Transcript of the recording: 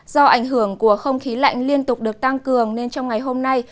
do ảnh hưởng của không khí lạnh liên tục được tăng cường nên trong ngày hôm nay